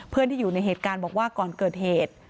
เพื่อนที่อยู่ในเหตุการณ์บอกว่าก่อนเกิดเหตุ